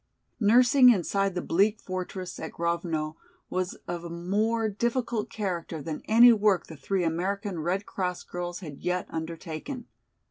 Nursing inside the bleak fortress at Grovno was of a more difficult character than any work the three American Red Cross girls had yet undertaken.